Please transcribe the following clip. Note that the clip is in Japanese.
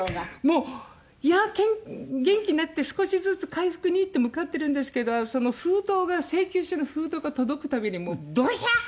もう元気になって少しずつ回復にって向かってるんですけど封筒が請求書の封筒が届くたびにもうどひゃー！